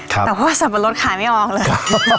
แต่ว่าสับปะรดขายไม่ออกเลย